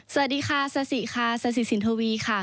สวัสดีค่ะซาสิค่ะซาสิสินทวีค่ะ